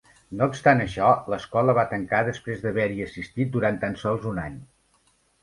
No obstant això, l'escola va tancar després d'haver-hi assistit durant tan sols un any.